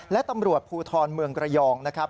และตำรวจภูทรเมืองระยองนะครับ